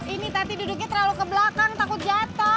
ini tadi duduknya terlalu ke belakang takut jatoh